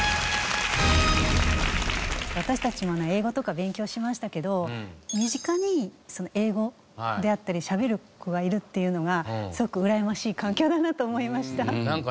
私たちも英語とか勉強しましたけど身近に英語であったり喋る子がいるっていうのがすごくうらやましい環境だなと思いました。